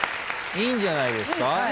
いいんじゃないですか